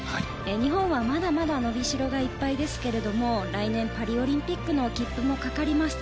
日本はまだまだのびしろがいっぱいですけど来年、パリオリンピックの切符もかかります。